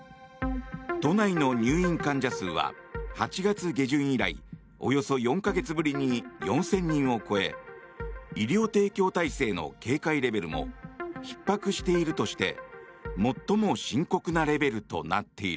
都内の入院患者数は８月下旬以来およそ４か月ぶりに４０００人を超え医療提供体制の警戒レベルもひっ迫しているとして最も深刻なレベルとなっている。